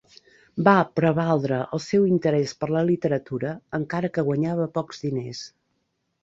Va prevaldre el seu interès per la literatura, encara que guanyava pocs diners.